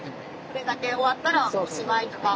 これだけ終わったらおしまいとか。